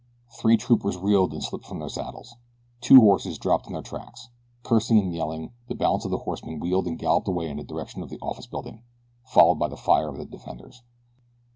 Three troopers reeled and slipped from their saddles. Two horses dropped in their tracks. Cursing and yelling, the balance of the horsemen wheeled and galloped away in the direction of the office building, followed by the fire of the defenders.